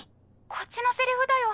「こっちのセリフだよ」